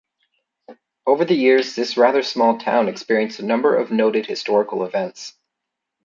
Over the years, this rather small town experienced a number of noted historical events.